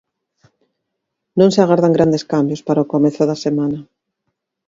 Non se agardan grandes cambios para o comezo da semana.